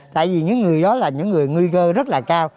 tại vì những người đó là những người nguy cơ rất là cao